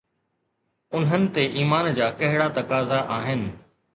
انهن تي ايمان جا ڪهڙا تقاضا آهن؟